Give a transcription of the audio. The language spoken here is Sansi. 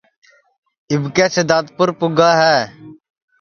اِٻکے سِدادپر پُگا ہے